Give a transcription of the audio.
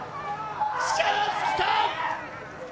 力尽きた！